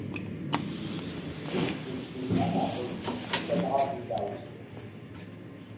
Cbebec dinna neɣ qim, a tamɣaṛt n daɛwessu!